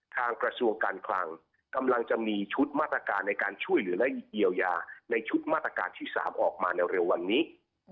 กระทรวงการคลังกำลังจะมีชุดมาตรการในการช่วยเหลือและเยียวยาในชุดมาตรการที่๓ออกมาในเร็ววันนี้